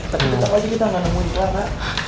tadi ketak lagi kita gak nemuin clara